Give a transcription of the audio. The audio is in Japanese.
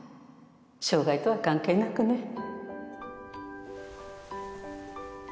障害とは関係なくねん。